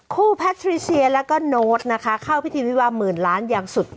แพทริเซียแล้วก็โน้ตนะคะเข้าพิธีวิวาหมื่นล้านอย่างสุด